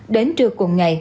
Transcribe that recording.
đến trưa cuồng ngày